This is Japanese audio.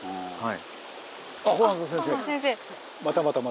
はい。